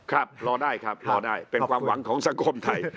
ครับรอได้ครับรอได้เป็นความหวังของสังคมไทย